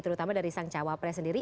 terutama dari sang cawapres sendiri